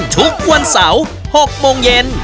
ทุกวันเสาร์๖โมงเย็น